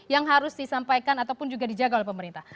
yang harus disampaikan ataupun juga dijaga oleh pemerintah